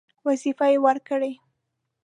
وظیفې ورکړې.